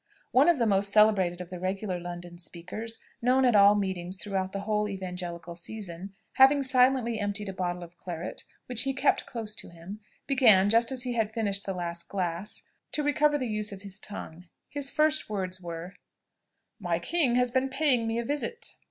One of the most celebrated of the regular London speakers, known at all meetings throughout the whole evangelical season, having silently emptied a bottle of claret, which he kept close to him, began, just as he had finished the last glass, to recover the use of his tongue. His first words were, "My king has been paying me a visit."